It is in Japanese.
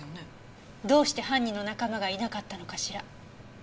どうして犯人の仲間がいなかったのかしら？